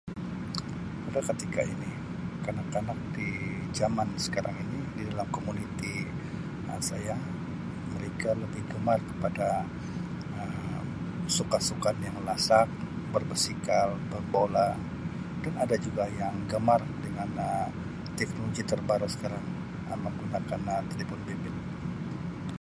Pada ketika ini kanak-kanak di zaman sekarang ini di dalam Um komuniti saya mereka lebih gemar kepada Um sukan-sukan yang lasak berbasikal berbola dan ada juga yang gemar dengan Um teknologi terbaru sekarang Um menggunakan telefon bimbit.